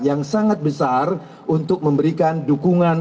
yang sangat besar untuk memberikan dukungan